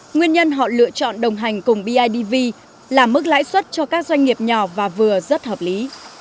nguyên nhân họ lựa chọn đồng hành cùng bidv là mức lãi suất cho các doanh nghiệp nhỏ và vừa rất hợp lý